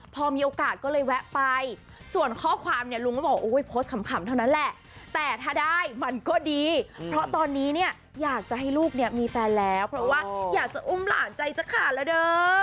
เพราะตอนนี้อยากจะให้ลูกมีแฟนแล้วเพราะว่าอยากจะอุ้มหลานใจสักขาดละเด้อ